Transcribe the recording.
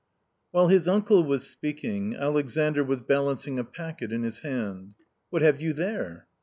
While his uncle was speaking Alexandr was balancing a packet in his hand. " What have you there